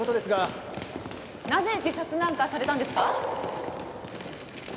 なぜ自殺なんかされたんですか？